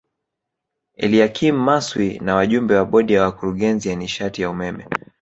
Eliakim Maswi na wajumbe wa Bodi ya Wakurugenzi ya nishati ya umeme